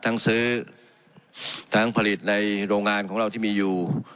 ซื้อทั้งผลิตในโรงงานของเราที่มีอยู่